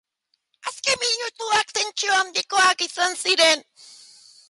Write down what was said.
Azken minutuak tentsio handikoak izan ziren.